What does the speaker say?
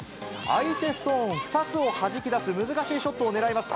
相手ストーン２つをはじき出す難しいショットをねらいます。